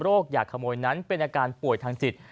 อยากขโมยนั้นเป็นอาการป่วยทางจิต